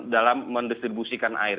dalam mendistribusikan air